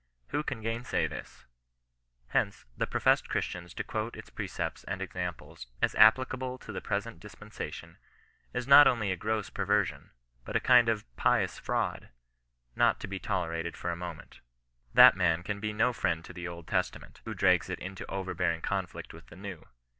Who can gainsay this ? Hence, for professed Christians to quote its pre cepts and examples as applicable to the present dispen sation, is not only a gross perversion, but a kind of pious 54 CHBISTIAN NON BESISTANCE. fraud — not to be tolerated for a moment. That man can be no friend to the Old Testament^ who drags it into overbearing conflict with the New.